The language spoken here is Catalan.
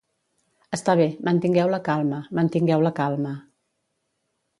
Està bé, mantingueu la calma, mantingueu la calma.